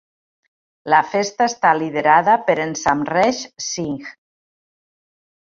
La festa està liderada per en Samresh Singh.